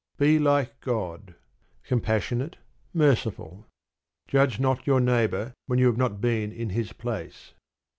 Be like God, compassionate, merciful. Judge not your neighbour when you have not been in his place.